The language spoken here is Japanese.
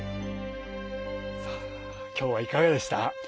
今日はいかがでした？